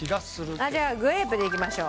じゃあグレープでいきましょう。